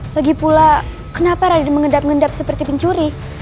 lagipula kenapa radin mengendap endap seperti pencuri